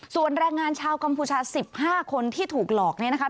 ส่วนแรงงานชาวกัมพูชา๑๕คนที่ถูกหลอกเนี่ยนะคะ